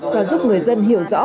và giúp người dân hiểu rõ